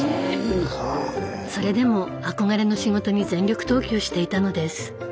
それでも憧れの仕事に全力投球していたのです。